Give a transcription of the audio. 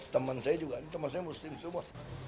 teman saya juga teman saya muslim semua